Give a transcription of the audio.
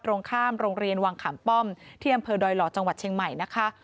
ตรงข้ามโรงเรียนวังขำป้อมที่อำเภอดอยหล่อจังหวัดเชียงใหม่นะคะ